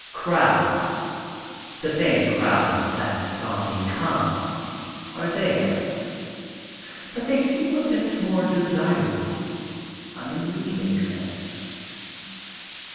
Crowds — the same crowds that saw me come — are there. But they seem a bit more desirable. I am leaving them.